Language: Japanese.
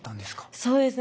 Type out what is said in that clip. そうですね。